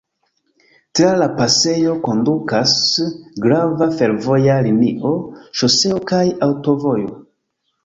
Tra la pasejo kondukas grava fervoja linio, ŝoseo kaj aŭtovojo.